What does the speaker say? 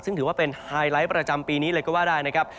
ซึ่งถือว่าเป็นไฮไลท์ประจำปีนี้เลยก็ว่าได้นะครับ